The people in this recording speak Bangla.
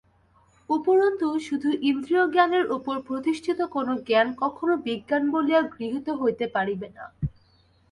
উপরন্তু শুধু ইন্দ্রিয়জ্ঞানের উপর প্রতিষ্ঠিত কোন জ্ঞান কখনও বিজ্ঞান বলিয়া গৃহীত হইতে পারিবে না।